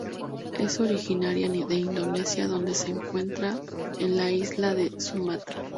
Es originaria de Indonesia donde se encuentra en la isla de Sumatra.